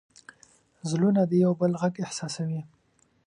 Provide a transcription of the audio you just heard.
زړونه د یو بل غږ احساسوي.